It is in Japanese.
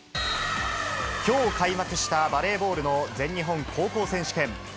きょう開幕したバレーボールの全日本高校選手権。